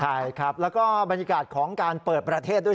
ใช่ครับแล้วก็บรรยากาศของการเปิดประเทศด้วย